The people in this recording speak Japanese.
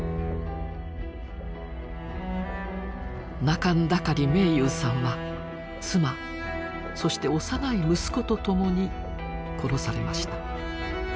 仲村渠明勇さんは妻そして幼い息子と共に殺されました。